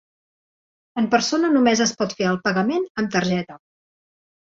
En persona només es pot fer el pagament amb targeta.